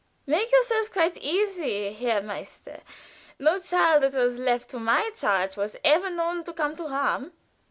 ] "Make yourself quite easy, Herr Concertmeister. No child that was left to my charge was ever known to come to harm."